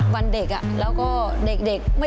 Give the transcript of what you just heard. วันเด็กแล้วก็เด็ก